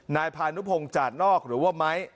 นายพานุพงศ์จาดนอกหรือว่าไม้